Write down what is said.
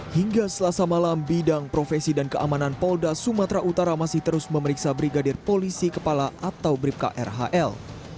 hingga selasa malam bidang profesi dan keamanan polda sumatera utara masih terus memeriksa brigadir polisi kepala atau bribka rhl